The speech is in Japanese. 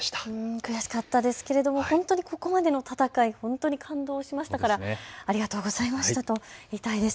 悔しかったですけど本当にここまでの戦い、本当に感動しましたからありがとうございましたと言いたいです。